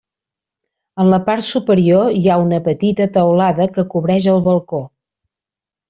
En la part superior hi ha una petita teulada que cobreix el balcó.